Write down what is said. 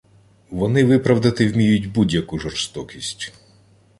Вони виправдати вміють будь-яку жорстокість